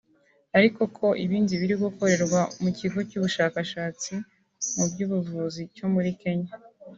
ariko ko ibindi biri gukorerwa mu kigo cy’ubushakashatsi mu by’ubuvuzi cyo muri Kenya